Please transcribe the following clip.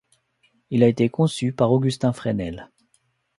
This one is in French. Il a été conçu par Augustin Fresnel.